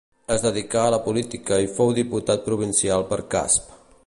Es dedicà a la política i fou diputat provincial per Casp.